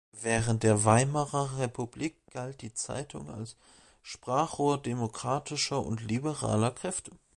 Während der Weimarer Republik galt die Zeitung als Sprachrohr demokratischer und liberaler Kräfte.